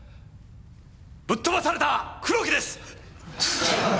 ぶっ飛ばされた黒木です！